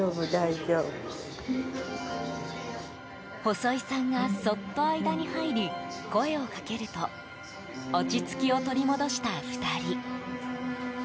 細井さんがそっと間に入り、声をかけると落ち着きを取り戻した２人。